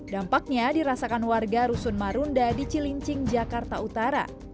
dampaknya dirasakan warga rusun marunda di cilincing jakarta utara